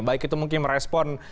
baik itu mungkin merespon